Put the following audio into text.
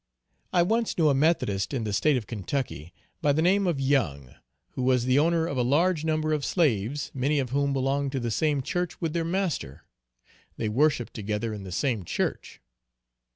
I once knew a Methodist in the state of Ky., by the name of Young, who was the owner of a large number of slaves, many of whom belonged to the same church with their master. They worshipped together in the same church.